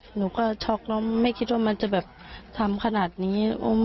หนูก็ช็อกแล้วไม่คิดว่ามันจะแบบทำขนาดนี้